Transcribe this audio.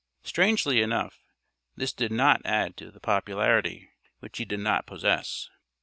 Strangely enough, this did not add to the popularity which he did not possess.